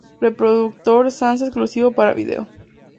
Reproductor sansa exclusivo para video.